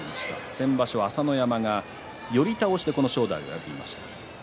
先場所、朝乃山は寄り倒しで正代を破りました。